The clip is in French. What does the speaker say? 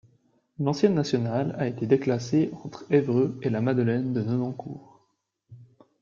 L'ancienne nationale a été déclassée entre Évreux et La Madeleine-de-Nonancourt.